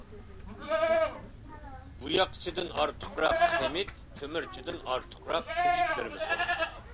بوياقچىدىن ئارتۇقراق خىمىك، تۆمۈرچىدىن ئارتۇقراق فىزىكلىرىمىز بولمىدى.